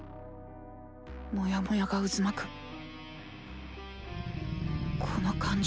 モヤモヤが渦巻くこの感情。